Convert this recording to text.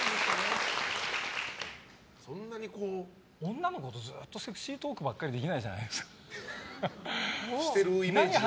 女の子とずっとセクシートークばっかりできないじゃないですか。